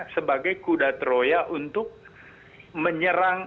sebagai kuda troya untuk menyerang